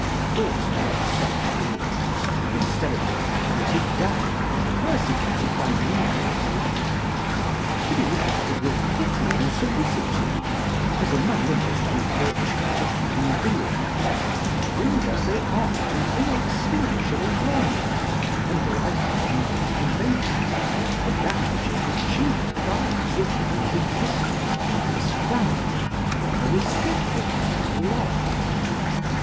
Ought not such beings, instead of being hunted down and persecuted by legal bloodhounds, to be regarded with pitying solicitude as among the most unfortunate of human beings, doomed as they are to inextinguishable longings and life long deprivation of that which is the chief prize of man's existence on this planet, a reciprocated love?